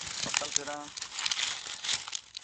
Bazkaltzera!